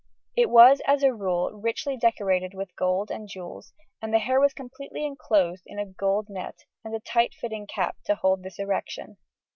It was, as a rule, richly decorated with gold and jewels, and the hair was completely enclosed in a gold net and a tight fitting cap to hold this erection.